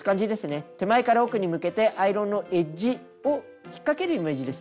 手前から奥に向けてアイロンのエッジを引っ掛けるイメージです